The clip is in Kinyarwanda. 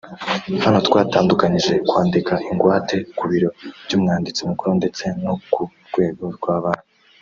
“Hano twatandukanyije kwandika ingwate ku biro by’umwanditsi mukuru ndetse no ku rwego rwa banki